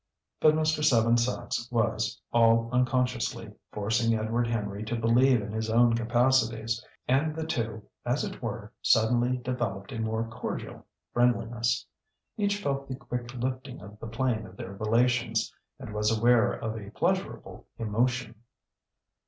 But Mr. Seven Sachs was, all unconsciously, forcing Edward Henry to believe in his own capacities; and the two, as it were, suddenly developed a more cordial friendliness. Each felt the quick lifting of the plane of their relations, and was aware of a pleasurable emotion.